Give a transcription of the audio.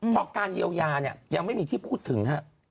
พอการเยียวยายังไม่ได้ที่พูดถึง